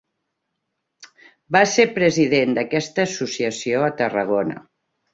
Va ser president d'aquesta associació a Tarragona.